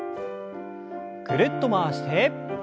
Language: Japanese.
ぐるっと回して。